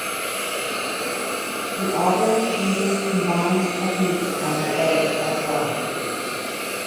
She often uses combined techniques on her eggs as well.